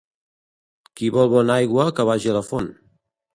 Qui vol bona aigua que vagi a la font.